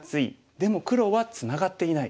でも黒はツナがっていない。